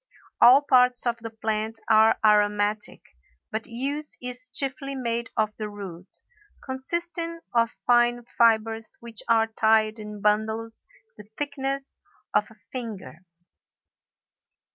All parts of the plant are aromatic, but use is chiefly made of the root, consisting of fine fibres which are tied in bundles the thickness of a finger.